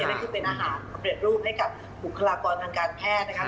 นั่นคือเป็นอาหารเปรียบรูปให้กับบุคลากรทางการแพทย์นะคะ